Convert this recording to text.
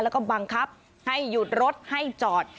แล้วก็บังคับให้หยุดรถให้จอด